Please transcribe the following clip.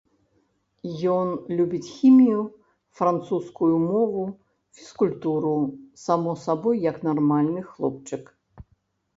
Ён любіць хімію, французскую мову, фізкультуру, само сабой, як нармальны хлопчык.